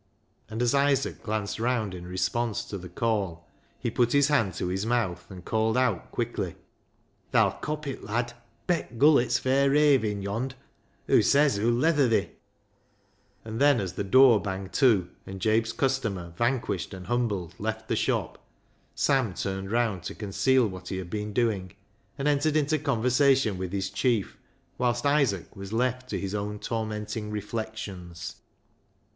And as Isaac glanced round in response to the call, he put his hand to his mouth and called out quickly —" Tha'll cop it, lad ! Bet Gullett's fair raving yond' ! Hoo says hoo'U leather thi," and then as the door banged to, and Jabe's customer, van quished and humbled, left the shop, Sam turned round to conceal what he had been doing, and entered into conversation with his chief, whilst Isaac was left to his own tormenting reflections.